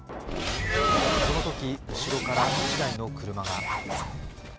その時、後ろから１台の車が。